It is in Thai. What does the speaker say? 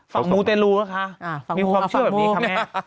ฝั่งมูเตนรูนะคะมีความเชื่อแบบนี้คำนี้